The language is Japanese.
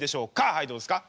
はいどうですか？